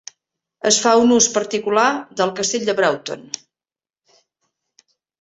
Es fa un ús particular del castell de Broughton.